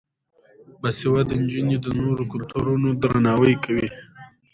باسواده نجونې د نورو کلتورونو درناوی کوي.